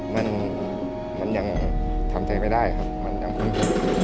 มันยังทำใจไม่ได้ครับ